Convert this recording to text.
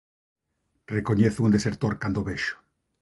Recoñezo un desertor cando o vexo.